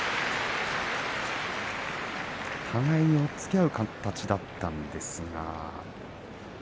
互いに押っつけ合う形だったんですが。